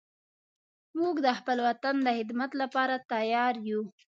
موږ د خپل وطن د خدمت لپاره تیار یو